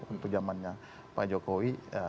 untuk zamannya pak jokowi